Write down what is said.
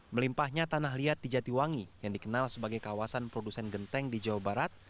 melimpahnya tanah liat di jatiwangi yang dikenal sebagai kawasan produsen genteng di jawa barat